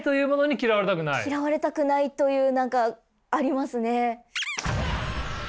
嫌われたくないという何かありますね。